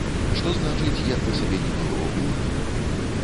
Што значыць, як бы сабе ні было, гурт!